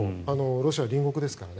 ロシア、隣国ですからね。